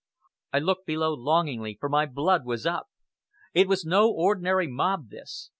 I looked below longingly, for my blood was up. It was no ordinary mob this.